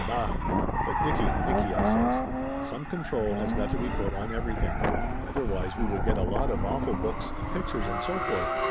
Bah!" "But, Nicky, Nicky!" I says. "Some control has got to be put on everything. Otherwise we would get a lot of awful books and pictures and so forth.